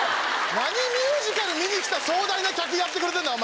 何ミュージカル見に来た壮大な客やってくれてんだ